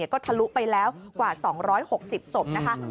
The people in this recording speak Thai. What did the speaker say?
ก็ทะลุไปแล้วกว่า๒๖๐ศพนะคะ